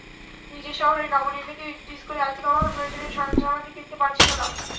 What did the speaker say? নিজের শহরে নবনির্মিত একটি স্কুল আর্থিক অভাবে প্রয়োজনীয় সরঞ্জামাদি কিনতে পারছিল না।